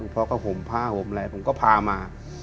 พ่อก็ห่มผ้าห่มอะไรผมก็พามา